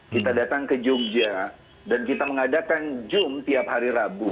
kita datang ke jogja dan kita mengadakan zoom tiap hari rabu